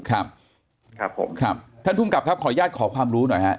ครับครับผมครับท่านภูมิกับครับขออนุญาตขอความรู้หน่อยฮะ